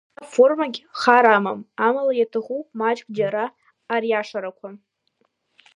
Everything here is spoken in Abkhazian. Ара аформагь хар амам, амала иаҭахуп маҷк џьара ариашарақәа.